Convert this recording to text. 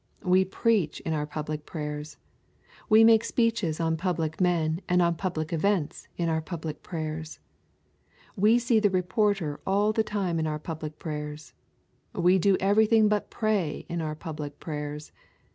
We preach in our public prayers. We make speeches on public men and on public events in our public prayers. We see the reporters all the time in our public prayers. We do everything but pray in our public prayers.